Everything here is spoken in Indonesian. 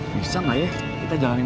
bisa nggak ya kita jalanin